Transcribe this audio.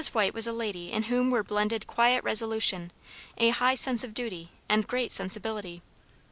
White was a lady in whom were blended quiet resolution, a high sense of duty, and great sensibility.